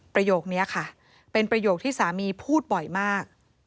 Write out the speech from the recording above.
ประโยคนี้ค่ะเป็นประโยคที่สามีพูดบ่อยมาก